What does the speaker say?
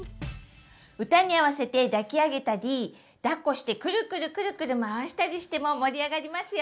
歌に合わせて抱き上げたりだっこしてくるくるくるくる回したりしても盛り上がりますよ！